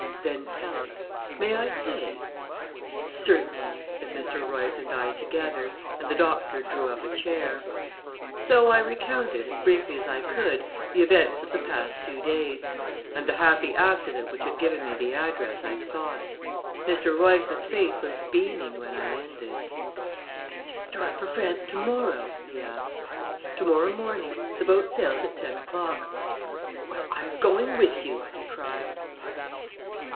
"Then tell it. May I stay?" "Certainly," said Mr. Royce and I together, and the doctor drew up a chair. So I recounted, as briefly as I could, the events of the past two days, and the happy accident which had given me the address I sought. Mr. Royce's face was beaming when I ended. "And you start for France to morrow?" he asked. "To morrow morning the boat sails at ten o'clock." "Well, I'm going with you!" he cried.